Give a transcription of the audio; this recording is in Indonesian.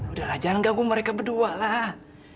udah lah jangan ganggu mereka berdua lah